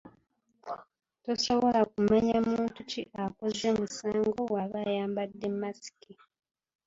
Tosobola kumanya muntu ki akoze musango bw'aba ayambadde masiki.